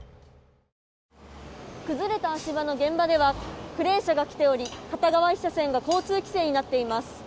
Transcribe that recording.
崩れた足場の現場ではクレーン車が来ており片側１車線が交通規制になっています。